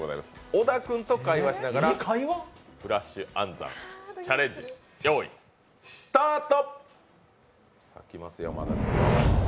小田君と会話しながらフラッシュ暗算、用意スタート。